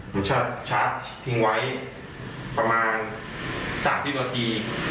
ผมชาร์จทิ้งไว้ประมาณ๓๐นาที